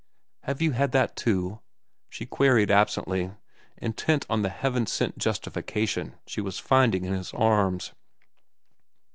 "Have you had that, too?" she queried absently, intent on the heaven sent justification she was finding in his arms.